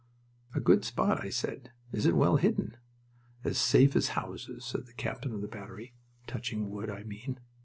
"A good spot!" I said. "Is it well hidden?" "As safe as houses," said the captain of the battery. "Touching wood, I mean."